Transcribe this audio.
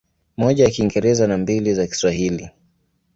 Moja ya Kiingereza na mbili za Kiswahili.